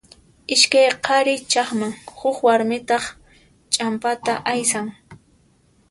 Iskay qhari chaqman, huk warmitaq ch'ampata aysan.